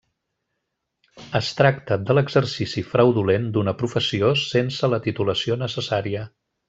Es tracta de l'exercici fraudulent d'una professió sense la titulació necessària.